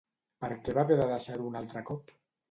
Per què va haver de deixar-ho un altre cop?